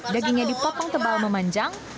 dagingnya dipotong tebal memanjang